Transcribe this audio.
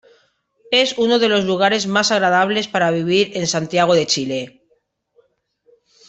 Es uno de los lugares mas agradables para vivir en Santiago de Chile